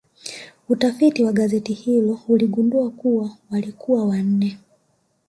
Utafiti wa gazeti hilo uligundua kuwa walikuwa wanne